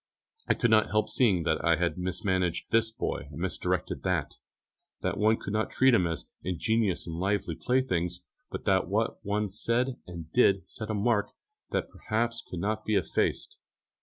I could not help seeing that I had mismanaged this boy and misdirected that; that one could not treat them as ingenuous and lively playthings, but that what one said and did set a mark which perhaps could not be effaced.